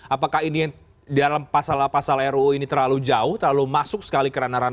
apakah ini dalam pasal pasal ruu ini terlalu jauh terlalu masuk sekali ke ranah ranah